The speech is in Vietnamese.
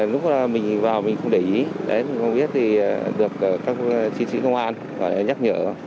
lúc mình vào mình không để ý được các chiến sĩ công an nhắc nhở